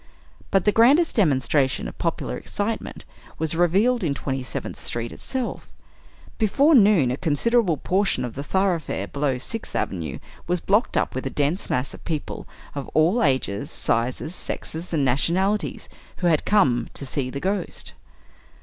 But the grandest demonstration of popular excitement was revealed in Twenty seventh street itself. Before noon a considerable portion of the thoroughfare below Sixth Avenue was blocked up with a dense mass of people of all ages, sizes, sexes, and nationalities, who had come "to see the Ghost."